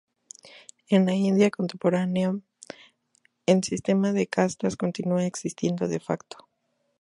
En la India contemporánea, el sistema de castas continúa existiendo de facto.